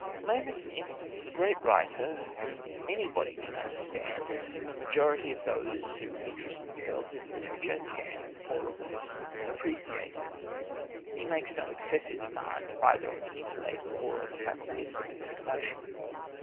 Lamb is an instance of a great writer whom anybody can understand and whom a majority of those who interest themselves in literature can more or less appreciate. He makes no excessive demand either on the intellect or on the faculty of sympathetic emotion.